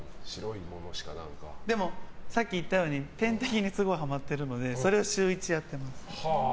でも、さっき言ったように点滴にすごいはまってるのでそれを週１でやってます。